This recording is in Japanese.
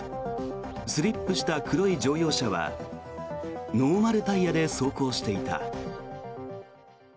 スリップした黒い乗用車はノーマルタイヤで走行していた。